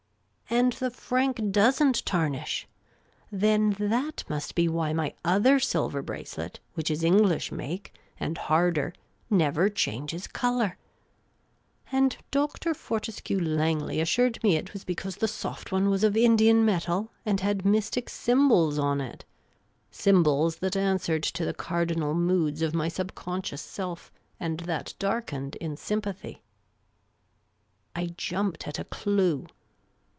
"" And the franc does n't tarnish ! Then that must be why my other silver bracelet, which is English make, and harder, never changes colour ! And Dr. Fortescue Langley assured me it was because the soft one was of Indian metal, and had mystic symbols on it — symbols that answered to the cardinal moods of my sub conscious self, and that darkened in sympathy." I jumped at a clue.